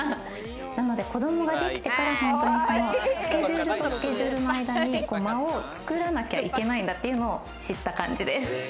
なので、子供ができてから、スケジュールとスケジュールの間に間を作らなきゃいけないんだっていうのを知った感じです。